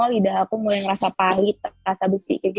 lidah aku mulai ngerasa palit rasa besi